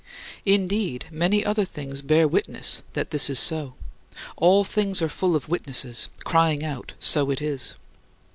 Indeed, many other things bear witness that this is so all things are full of witnesses, crying out, "So it is."